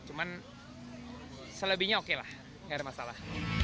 cuman selebihnya oke lah gak ada masalah